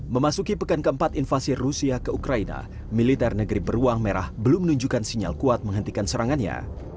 memasuki pekan keempat invasi rusia ke ukraina militer negeri beruang merah belum menunjukkan sinyal kuat menghentikan serangannya